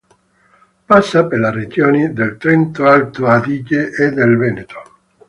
Passa per le regioni del Trentino-Alto Adige e del Veneto.